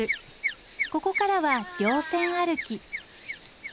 ここからは稜線歩き。